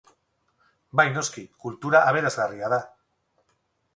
Bai noski, kultura aberasgarria da.